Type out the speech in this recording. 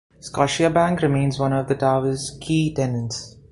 Scotiabank remains one of the tower's key tenants.